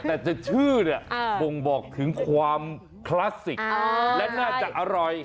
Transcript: แต่จะชื่อเนี่ยบ่งบอกถึงความคลาสสิกและน่าจะอร่อย